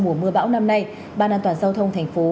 mùa mưa bão năm nay ban an toàn giao thông thành phố